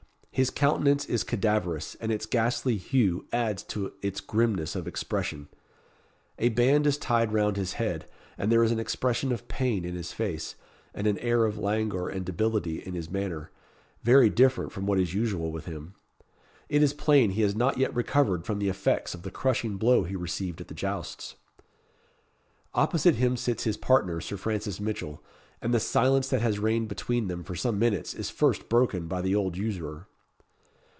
His countenance is cadaverous, and its ghastly hue adds to its grimness of expression. A band is tied round his head, and there is an expression of pain in his face, and an air of languor and debility in his manner, very different from what is usual with him. It is plain he has not yet recovered from the effects of the crushing blow he received at the jousts. Opposite him sits his partner, Sir Francis Mitchell; and the silence that has reigned between them for some minutes is first broken by the old usurer.